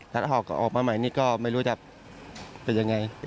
ทัศน์ฮอกออกมาใหม่นี่ก็ไม่รู้จะเป็นอย่างไร